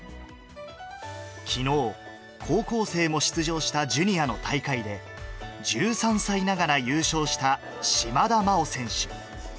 きのう、高校生も出場したジュニアの大会で、１３歳ながら優勝した島田麻央選手。